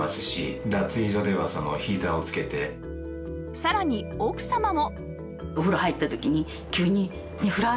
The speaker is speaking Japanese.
さらに奥様も